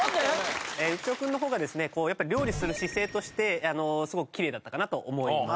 浮所君の方がですねこうやっぱり料理する姿勢としてすごくきれいだったかなと思います。